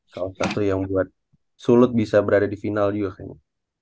salah satu yang buat sulut bisa berada di final juga kayaknya